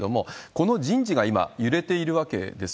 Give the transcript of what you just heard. この人事が今揺れているわけです。